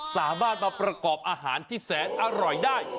สามารถมาประกอบอาหารที่แสนอร่อยได้